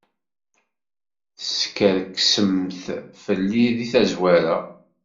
Teskerksemt fell-i seg tazwara.